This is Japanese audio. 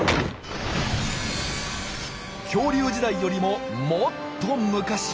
恐竜時代よりももっと昔。